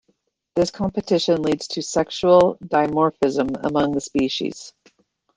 This competition leads to sexual dimorphism among the species.